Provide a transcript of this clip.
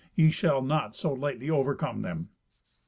Ye shall not so lightly overcome them."